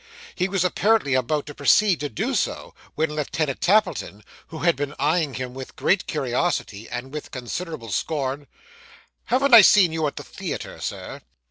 He was apparently about to proceed to do so, when Lieutenant Tappleton, who had been eyeing him with great curiosity, said with considerable scorn, 'Haven't I seen you at the theatre, Sir?